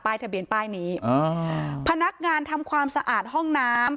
ทะเบียนป้ายนี้อ๋อพนักงานทำความสะอาดห้องน้ำ